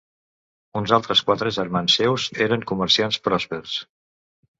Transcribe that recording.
Uns altres quatre germans seus eren comerciants pròspers.